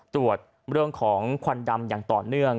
ตรวจเรื่องของควันดำอย่างต่อเนื่อง